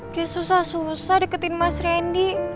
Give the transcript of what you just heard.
dia susah susah deketin mas randy